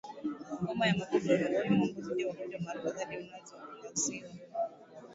Homa ya mapafu miongoni mwa mbuzi ndio ugonjwa maarufu zaidi unaoangaziwa